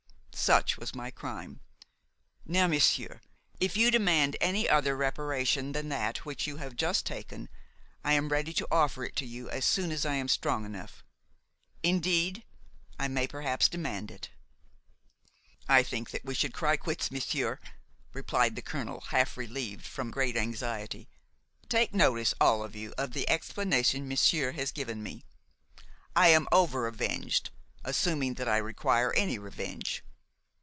Such was my crime. Now, monsieur, if you demand any other reparation than that which you have just taken, I am ready to offer it to you as soon as I am strong enough; indeed, I may perhaps demand it." "I think that we should cry quits, monsieur," replied the colonel, half relieved form great anxiety. "Take notice, all of you, of the explanation monsieur has given me. I am over avenged, assuming that I require any revenge.